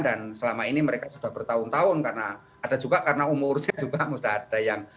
dan selama ini mereka sudah bertahun tahun karena ada juga karena umurnya juga sudah ada yang